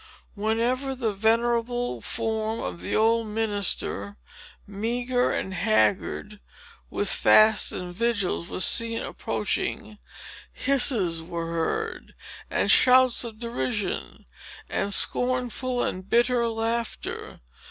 Whenever the venerable form of the old minister, meagre and haggard with fasts and vigils, was seen approaching, hisses were heard, and shouts of derision, and scornful and bitter laughter.